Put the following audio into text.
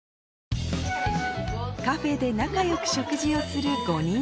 カフェで仲良く食事をする・